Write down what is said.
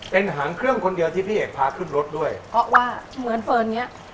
เป็นหางเครื่องคนเดียวที่พี่เอกพาขึ้นรถด้วยเพราะว่าเหมือนเฟิร์นเนี้ย